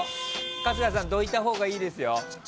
春日さんどいたほうがいいですよ。